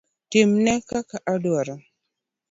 Timne kaka odwaro.